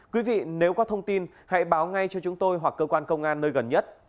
quý vị nếu có thông tin hãy báo ngay cho chúng tôi hoặc cơ quan công an nơi gần nhất